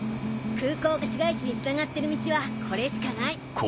空港から市街地につながってる道はこれしかない。